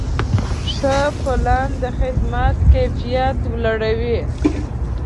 ښه پلان د خدمت کیفیت لوړوي.